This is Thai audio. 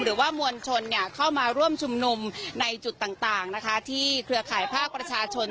หรือว่ามวลชนเข้ามาร่วมชุมนุมในจุดต่างนะคะที่เครือข่ายภาคประชาชน